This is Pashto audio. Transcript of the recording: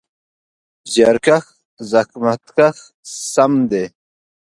زیارکښ: زحمت کښ سم دی.